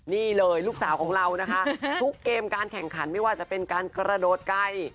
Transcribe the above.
นี่เลยลูกสาวของเรานะคะทุกเกมการแข่งขันไม่ว่าจะเป็นการกระโดดไกล